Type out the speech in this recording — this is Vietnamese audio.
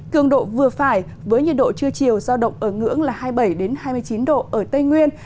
cường độ vừa phải với nhiệt độ trưa chiều giao động ở ngưỡng là hai mươi bảy hai mươi chín độ ở tây nguyên